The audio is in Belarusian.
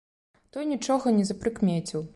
Той нічога не запрыкмеціў.